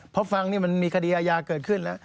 เพราะฟังนี่มันมีคดีอาญาเกิดขึ้นแล้ว